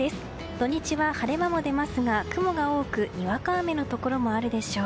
土日は晴れ間も出ますが雲が多くにわか雨のところもあるでしょう。